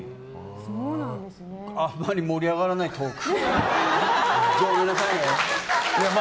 あんまり盛り上がらないトーク。